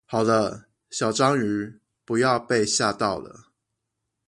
好了，小章魚，不要被嚇到了